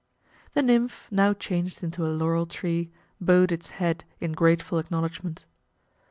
The nymph, now changed into a Laurel tree, bowed its head in grateful acknowledgment.